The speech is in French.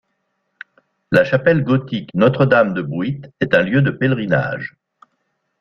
La chapelle gothique Notre-Dame-de-Bouit est un lieu de pèlerinage.